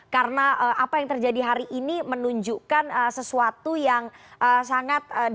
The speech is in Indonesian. karena apa yang terjadi hari ini menunjukkan sesuatu yang sangat di luar